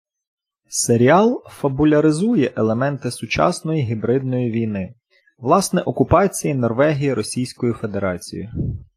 Серіал фабуляризує елементи сучасної гібридної війни — власне, окупації Норвегії Російською Федерацією.